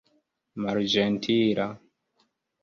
malĝentila